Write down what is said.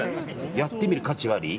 やってみる価値あり？